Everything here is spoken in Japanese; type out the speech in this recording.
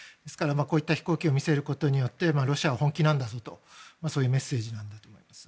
こういった飛行機を見せることによってロシアは本気なんだぞというメッセージなんだと思います。